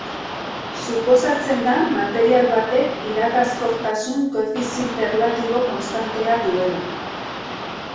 Suposatzen da material batek iragazkortasun koefiziente erlatibo konstantea duela.